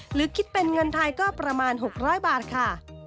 หรือคิดเป็นเงินไทยก็ประมาณ๖๐๐บาทค่ะ